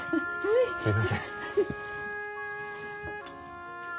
すいません。